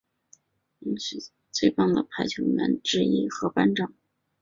布丽恩成为学校最棒的排球队员之一和班长。